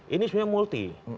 ini sebenarnya multi